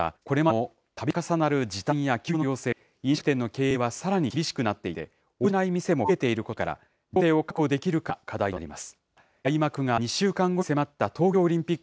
ただ、これまでのたび重なる時短や休業の要請で、飲食店の経営はさらに厳しくなっていて、応じない店も増えていることから、実効性を確保できるかが課題となります。